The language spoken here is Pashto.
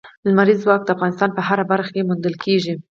لمریز ځواک د افغانستان په هره برخه کې موندل کېږي.